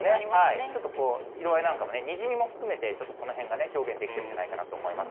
ちょっとこう、色合いなんかも、にじみも含めて、ちょっとそのへんが表現できてるんじゃないかと思います。